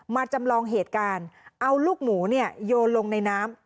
จำลองเหตุการณ์เอาลูกหมูเนี่ยโยนลงในน้ำ